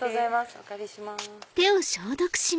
お借りします。